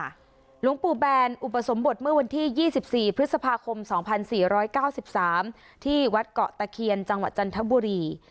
หลวงปู่แบนอุปสมบทเมื่อวันที่๒๔พฤษภาคม๒๔๙๓ที่วัดเกาะตะเคียนจังหวัดจันทบุรี